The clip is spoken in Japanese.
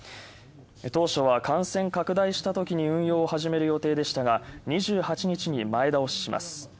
当初は感染拡大したときに運用を始める予定でしたが、２８日に前倒しします。